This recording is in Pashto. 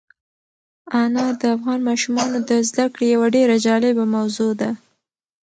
انار د افغان ماشومانو د زده کړې یوه ډېره جالبه موضوع ده.